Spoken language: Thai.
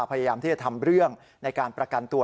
พยายามที่จะทำเรื่องในการประกันตัว